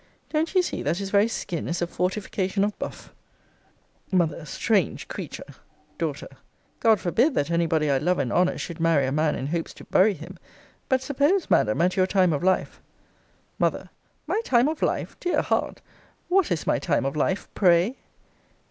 Don't you see that his very skin is a fortification of buff? M. Strange creature! D. God forbid, that any body I love and honour should marry a man in hopes to bury him but suppose, Madam, at your time of life M. My time of life? Dear heart! What is my time of life, pray?